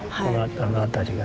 あの辺りがね。